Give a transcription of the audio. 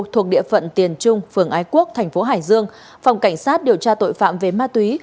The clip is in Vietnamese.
thuộc địa phận tiền trung phường ái quốc thành phố hải dương phòng cảnh sát điều tra tội phạm về ma túy